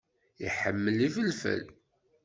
Iḥemmel ifelfel.